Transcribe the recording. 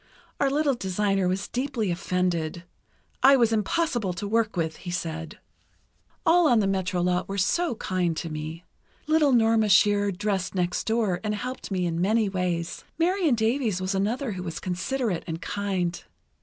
Our little designer was deeply offended. I was impossible to work with, he said. "All on the Metro lot were so kind to me. Little Norma Shearer dressed next door, and helped me in many ways. Marion Davies was another who was considerate and kind.